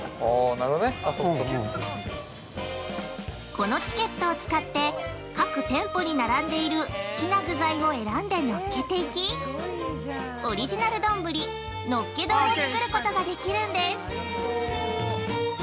このチケットを使って各店舗に並んでいる好きな具材を選んでのっけていきオリジナル丼、のっけ丼を作ることができるんです。